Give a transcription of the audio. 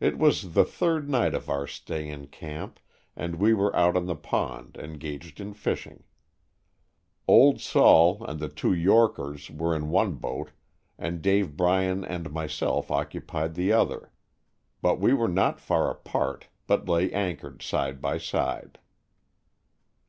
It was the third night of our stay in camp and we were out on the pond en gaged in fishing. "Old Sol'' and the two "Yorkers'' were in one boat and Dave Bryan and myself occupied the other, but we were not far apart, but lay anchored side by side.